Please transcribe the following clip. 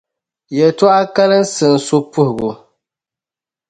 Yɛlitɔɣa kalinsi n-su puhigu.